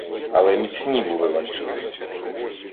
Але міцні були ланцюги.